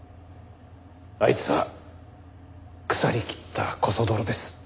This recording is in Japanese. あいつは腐りきったコソ泥です。